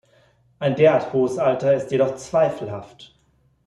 Ein derart hohes Alter ist jedoch zweifelhaft.